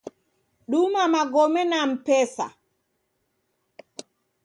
Duma magome na Mpesa.